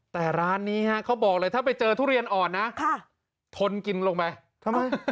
แต่ร้านนี้ฮะเขาบอกเลยถ้าไปเจอทุเรียนอ่อนนะทนกินลงไปทำไม